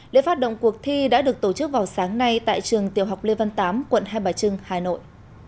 lễ phát động cuộc thi đã được tổ chức vào sáng nay tại trường tiểu học lê văn tám quận hai bà trưng hà nội